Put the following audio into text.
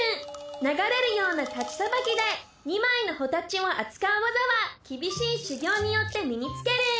流れるような太刀さばきで２枚のホタチを扱う技は厳しい修業によって身につける。